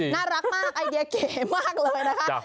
น่ารักมากไอเดียเก๋มากเลยนะคะ